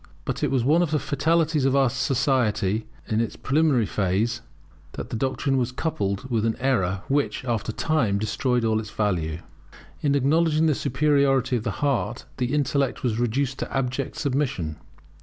But it was one of the fatalities of society in its preliminary phase, that the doctrine was coupled with an error which, after a time, destroyed all its value. In acknowledging the superiority of the heart the intellect was reduced to abject submission.